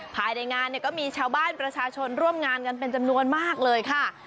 ภายในงานเนี่ยก็มีชาวบ้านประชาชนร่วมงานกันเป็นจำนวนมากเลยค่ะ